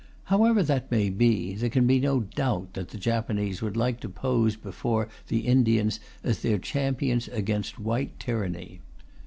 However that may be, there can be no doubt that the Japanese would like to pose before the Indians as their champions against white tyranny.